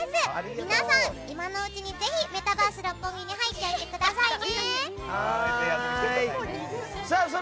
皆さん、今のうちにぜひメタバース六本木に入っておいてくださいね。